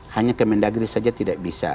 hanya ke mendagri saja tidak bisa